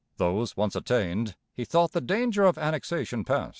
Those once attained, he thought the danger of Annexation past.